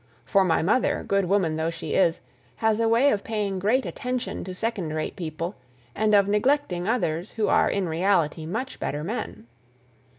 —for my mother, good woman though she is, has a way of paying great attention to second rate people, and of neglecting others who are in reality much better men."